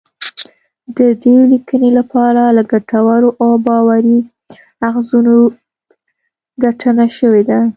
د دې لیکنی لپاره له ګټورو او باوري اخځونو ګټنه شوې ده